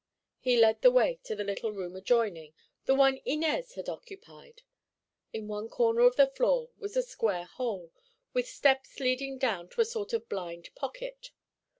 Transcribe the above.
He led the way to the little room adjoining, the one Inez had occupied. In one corner of the floor was a square hole, with steps leading down to a sort of blind pocket.